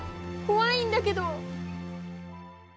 こわいんだけど！